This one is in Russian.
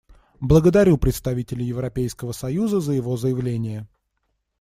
Благодарю представителя Европейского союза за его заявление.